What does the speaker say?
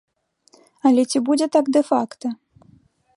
Але ці будзе так дэ-факта?